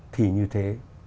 thì như thế